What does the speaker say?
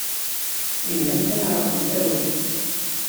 Iban kan ɛerqent-awen.